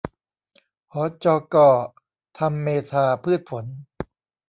หจก.ธรรมเมธาพืชผล